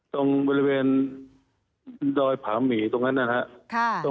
ตรงบริเวณดอยผาหมีตรงนั้นนะครับ